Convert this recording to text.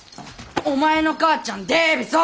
お前の母ちゃんでべそ！